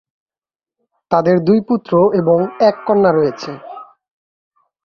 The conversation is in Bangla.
তাদের দুই পুত্র এবং এক কন্যা রয়েছে।